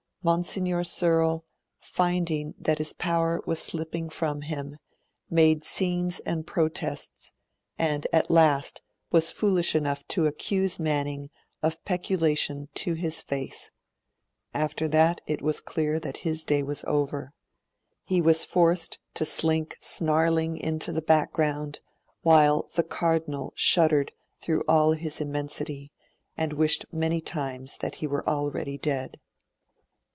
Monsignor Searle, finding that his power was slipping from him, made scenes and protests, and at last was foolish enough to accuse Manning of peculation to his face; after that it was clear that his day was over; he was forced to slink snarling into the background, while the Cardinal shuddered through all his immensity, and wished many times that he were already dead.